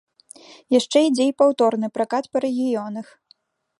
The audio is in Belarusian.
Яшчэ ідзе і паўторны пракат па рэгіёнах.